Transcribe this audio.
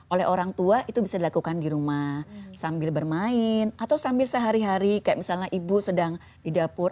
oleh orang tua itu bisa dilakukan di rumah sambil bermain atau sambil sehari hari kayak misalnya ibu sedang di dapur